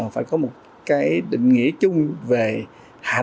phải có một cái định nghĩa chung về hạch